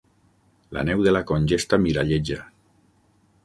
La neu de la congesta miralleja.